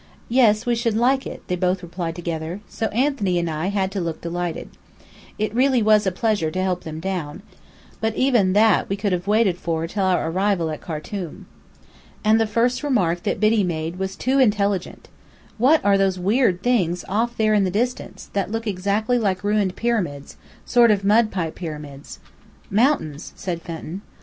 "Yes, we should like it," they both replied together: so Anthony and I had to look delighted. It really was a pleasure to help them down: but even that we could have waited for till our arrival at Khartum. And the first remark that Biddy made was too intelligent. "What are those weird things off there in the distance, that look exactly like ruined pyramids sort of mudpie pyramids?" "Mountains," said Fenton.